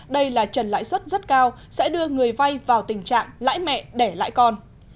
đây là trần lãi suất rất cao sẽ đưa người vay vào tình trạng lãi mẹ để lãi con